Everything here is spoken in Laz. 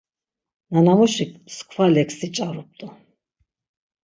Nanamuşik mskva leksi ç̌arupt̆u.